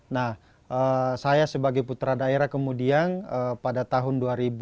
nah saya sebagai putra daerah kemudian pada tahun dua ribu